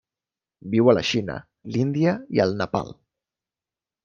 Viu a la Xina, l'Índia i el Nepal.